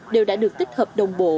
đều đã được tích hợp đồng bộ